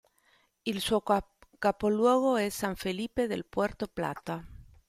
Il suo capoluogo è San Felipe de Puerto Plata.